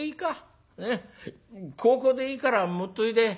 香香でいいから持っといで」。